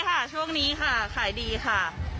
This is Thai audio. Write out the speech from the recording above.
ขายดีค่ะช่วงนี้ค่ะขายดีค่ะ